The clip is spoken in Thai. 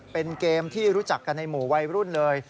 เป็นเกมที่รู้จักกันในหมู่วัยรุ่นเลย